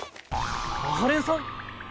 阿波連さん